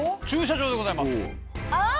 駐車場でございます。